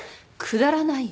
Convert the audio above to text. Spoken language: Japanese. くだらない？